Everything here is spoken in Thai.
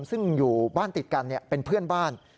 ซึ่งอยู่บ้านติดกันเป็นเพื่อนบ้าน